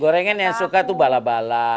gorengan yang suka tuh bala bala